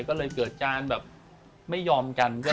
ก็เลยเกิดจ้านไม่ยอมกัน